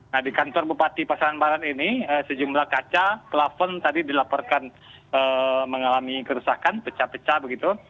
nah di kantor bupati pasaran barat ini sejumlah kaca plafon tadi dilaporkan mengalami kerusakan pecah pecah begitu